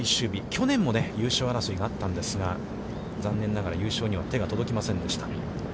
去年も優勝争いがあったんですが、残念ながら優勝には手が届きませんでした。